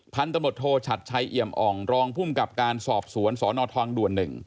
พันธุ์ตำรวจโทรชัดใช้เอียมอ่องรองพุ่มกับการสอบสวนสอนอททางด่วน๑